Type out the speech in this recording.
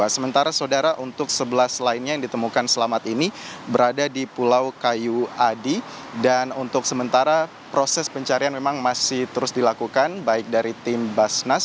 sementara saudara untuk sebelas lainnya yang ditemukan selamat ini berada di pulau kayu adi dan untuk sementara proses pencarian memang masih terus dilakukan baik dari tim basnas